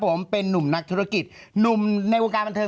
ฉันนึงเป็นนักธุรกิจนุ่มในกรุงการบันเทอร์